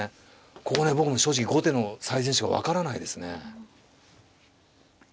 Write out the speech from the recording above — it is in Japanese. ここね僕も正直後手の最善手が分からないですね。